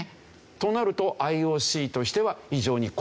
となるとＩＯＣとしては非常に困るというわけで。